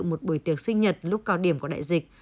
một buổi tiệc sinh nhật lúc cao điểm của đại dịch